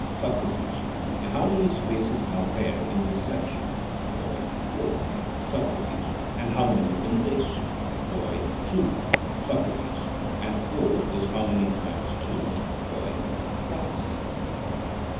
SOCRATES: And how many spaces are there in this section? BOY: Four. SOCRATES: And how many in this? BOY: Two. SOCRATES: And four is how many times two? BOY: Twice.